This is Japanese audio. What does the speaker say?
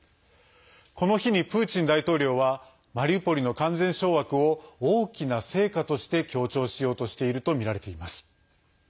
この日にプーチン大統領はマリウポリの完全掌握を大きな成果として強調しようとしているとみられています。